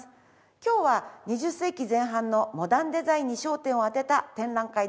今日は２０世紀前半のモダンデザインに焦点を当てた展覧会です。